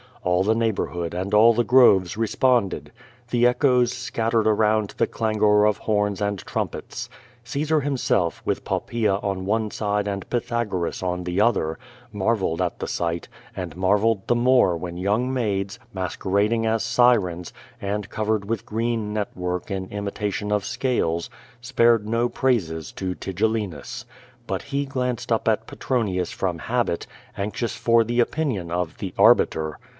All the neighborhood ifnd all the groven responded. The echoes scattered around the clangor of horni» and trumpets. Caesar himself, with Poppaea on one side and Pythagoras on the other, marvelled at the sight, and marvelled the more when young maids, masquerading as sirens, and cov ered with green net work in imitation of scales, spared no praises to Tigellinus. But he glanced up at Petronius from habit, anxious for the opinion of "the arbiter."